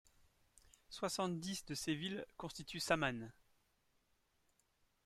Soixante-dix de ces villes constituent Samhan.